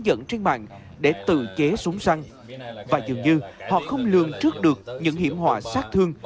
dẫn trên mạng để tự chế súng xăng và dường như họ không lương trước được những hiểm họa sắc thương